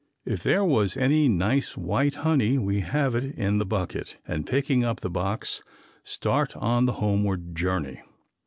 If there was any nice white honey we have it in the bucket and picking up the box start on the homeward journey.